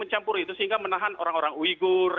mencampur itu sehingga menahan orang orang uyghur